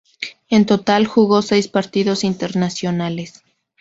En total, jugó seis partidos internacionales.